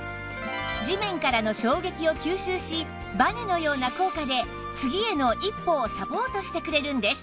地面からの衝撃を吸収しバネのような効果で次への一歩をサポートしてくれるんです